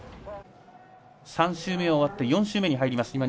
３周目終わって４周目に入ります。